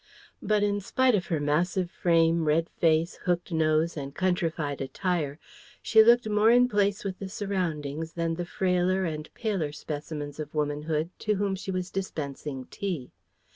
But in spite of her massive frame, red face, hooked nose, and countrified attire, she looked more in place with the surroundings than the frailer and paler specimens of womanhood to whom she was dispensing tea.